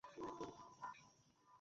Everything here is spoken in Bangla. জানোই তো, রঙ যুদ্ধ হবে আজ রাতে।